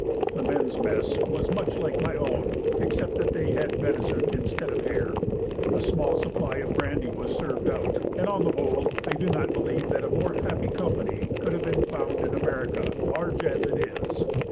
The men's mess was much like my own, except that they had venison instead of hare. A small supply of brandy was served out, and on the whole I do not believe that a more happy company could have been found in America, large as it is.